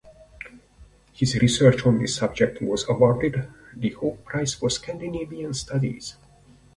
His research on the subject was awarded the Haug Prize for Scandinavian Studies.